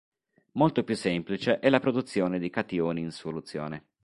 Molto più semplice è la produzione di cationi in soluzione.